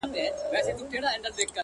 • ته دي ټپه په اله زار پيل کړه؛